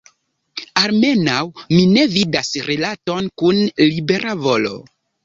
Almenaŭ mi ne vidas rilaton kun libera volo.